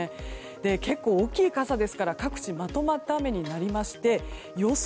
結構、大きい傘ですから各地まとまった雨になりまして予想